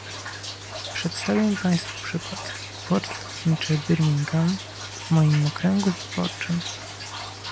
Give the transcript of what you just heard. Przedstawię państwu przykład - port lotniczy Birmingham w moim okręgu wyborczym